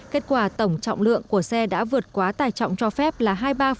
kết quả tổng trọng lượng của xe đã vượt quá tài trọng cho phép là hai mươi ba bảy mươi năm